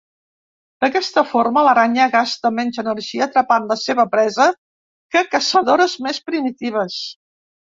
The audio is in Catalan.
D'aquesta forma, l'aranya gasta menys energia atrapant la seva presa que caçadores més primitives.